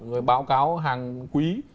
rồi báo cáo hàng quý